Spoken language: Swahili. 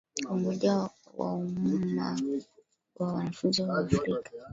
Umoja wa Umma wa Wanafunzi wa Afrika Kusini